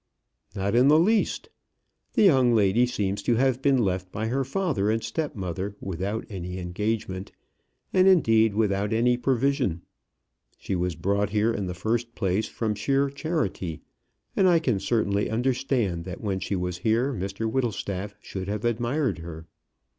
"Not in the least. The young lady seems to have been left by her father and step mother without any engagement, and, indeed, without any provision. She was brought here, in the first place, from sheer charity, and I can certainly understand that when she was here Mr Whittlestaff should have admired her."